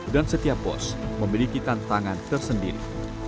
dan setiap pos memiliki tantangan tersendiri